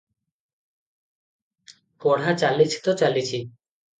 ପଢ଼ା ଚାଲିଛି ତ ଚାଲିଛି ।